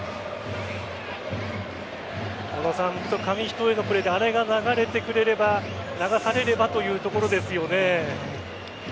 紙一重のプレーであれが流されればというところですよね。